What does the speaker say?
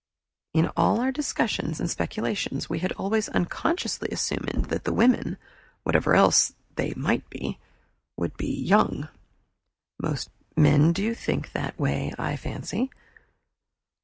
In all our discussions and speculations we had always unconsciously assumed that the women, whatever else they might be, would be young. Most men do think that way, I fancy.